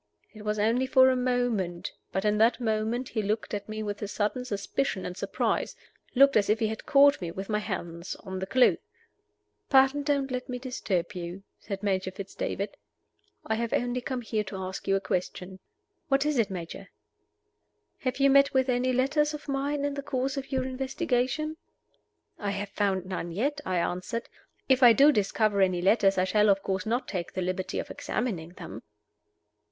It was only for a moment; but in that moment he looked at me with a sudden suspicion and surprise looked as if he had caught me with my hand on the clew. "Pray don't let me disturb you," said Major Fitz David. "I have only come here to ask you a question." "What is it, Major?" "Have you met with any letters of mine in the course of your investigations?" "I have found none yet," I answered. "If I do discover any letters, I shall, of course, not take the liberty of examining them."